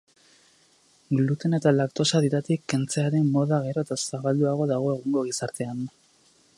Glutena eta laktosa dietatik kentzearen moda gero eta zabalduago dago egungo gizartean.